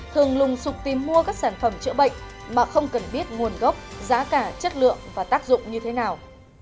thường lùng sụp tìm mua các sản phẩm chữa bệnh mà không cần biết nguồn gốc giá cả chất lượng và tác dụng như thế nào